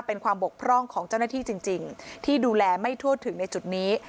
เป็นความบกพร่องของเจ้าหน้าที่จริงที่ดูแลไม่ทั่วถึงในจุดนี้